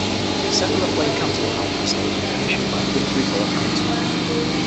Several acclaimed council housing estates were commissioned by Finsbury Borough Council.